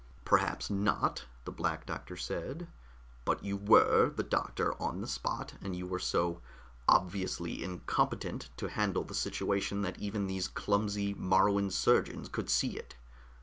"Perhaps not," the Black Doctor said. "But you were the doctor on the spot, and you were so obviously incompetent to handle the situation that even these clumsy Moruan surgeons could see it.